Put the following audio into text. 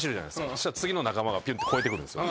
そしたら次の仲間がぴゅんって越えてくんですよ。